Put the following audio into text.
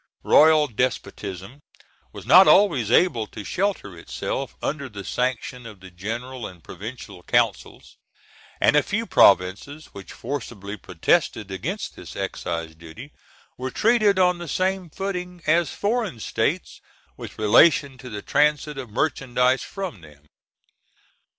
Royal despotism was not always able to shelter itself under the sanction of the general and provincial councils, and a few provinces, which forcibly protested against this excise duty, were treated on the same footing as foreign states with relation to the transit of merchandise from them.